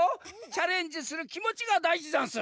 チャレンジするきもちがだいじざんす！